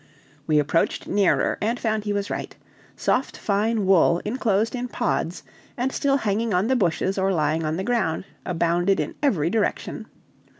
We approached nearer and found he was right soft fine wool inclosed in pods, and still hanging on the bushes or lying on the ground, abounded in every direction.